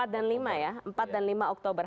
empat dan lima ya empat dan lima oktober